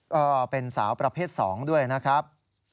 ก็เป็นสาวประเภท๒ด้วยนะครับ